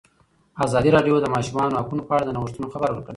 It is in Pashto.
ازادي راډیو د د ماشومانو حقونه په اړه د نوښتونو خبر ورکړی.